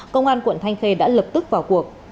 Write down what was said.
công an quận thanh khê đã lập tức vào cuộc